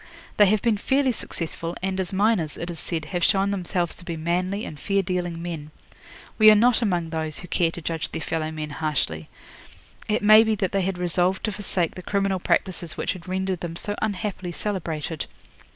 They have been fairly successful, and as miners, it is said, have shown themselves to be manly and fair dealing men. We are not among those who care to judge their fellow men harshly. It may be that they had resolved to forsake the criminal practices which had rendered them so unhappily celebrated.